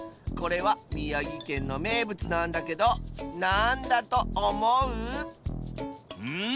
これはみやぎけんのめいぶつなんだけどなんだとおもう？